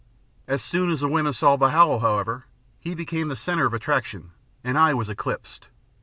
As soon as the women saw Bhawal, however, he became the centre of attraction, and I was eclipsed.